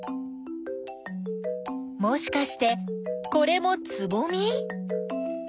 もしかしてこれもつぼみ？